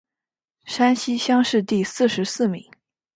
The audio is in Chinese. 山西乡试第四十四名。